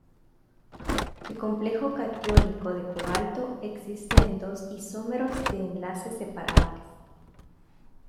El complejo catiónico de cobalto existe en dos isómeros de enlace separables..